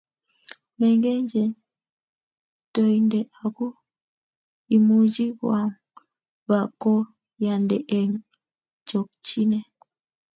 Mengechen toynde aku imuchi koam bakoyande eng' chokchine